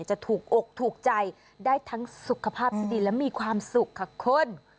จะถูกอกถูกใจได้ทั้งสุขภาพที่ดีและมีความสุขค่ะคุณ